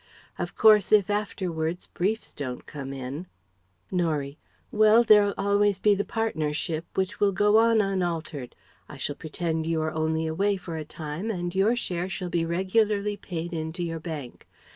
Of course, if afterwards briefs don't come in " Norie: "Well, there'll always be the partnership which will go on unaltered. I shall pretend you are only away for a time and your share shall be regularly paid in to your bank.